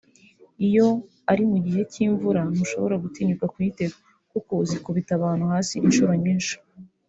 Iyo ari mu gihe cy’imvura ntushobora gutinyuka kuyitega kuko zikubita abantu hasi inshuro nyinshi